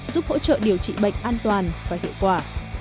giúp hỗ trợ điều trị bệnh an toàn và hiệu quả